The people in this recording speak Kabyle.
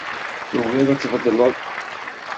Tugiḍ ad tbeddleḍ.